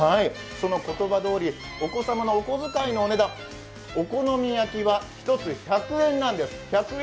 その言葉どおり、お子様のお小遣いの値段、お好み焼きは１つ１００円なんです。